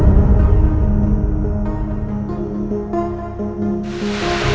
ketika aku bangun